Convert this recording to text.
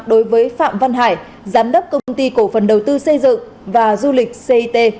đối với phạm văn hải giám đốc công ty cổ phần đầu tư xây dựng và du lịch cit